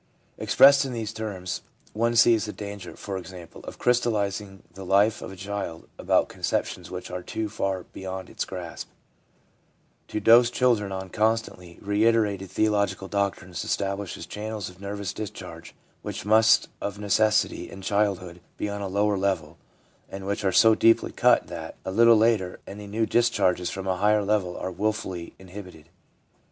Expressed in these terms, one sees the danger, for example, of crystallising the life of a child about conceptions which are too far beyond its grasp ; to dose children on constantly reiterated theological doctrines establishes channels of nervous discharge which must of necessity in childhood be on a lower level, and which are so deeply cut that, a little later, any new discharges from a higher level are wilfully inhibited.